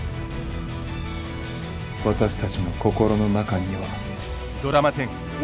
私たちの心の中には。